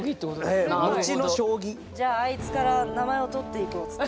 すごい。じゃああいつから名前を取っていこうっつって。